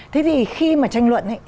thế thì khi mà tranh luận